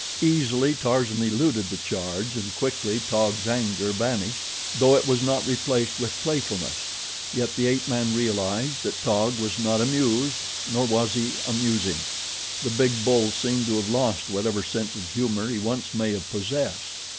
Easily Tarzan eluded the charge and quickly Taug's anger vanished, though it was not replaced with playfulness; yet the ape man realized that Taug was not amused nor was he amusing. The big bull ape seemed to have lost whatever sense of humor he once may have possessed.